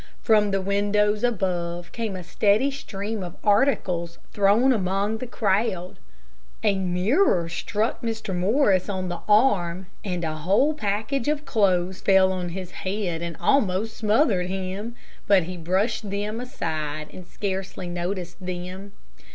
From the windows above came a steady stream of articles, thrown among the crowd. A mirror struck Mr. Morris on the arm, and a whole package of clothes fell on his head and almost smothered him; but he brushed them aside and scarcely noticed them.